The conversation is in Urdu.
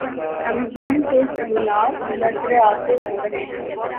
ایمیزون کے جنگلات نذرِ آتش ہو رہے ہیں۔